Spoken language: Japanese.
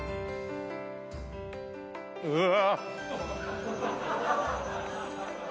うわ！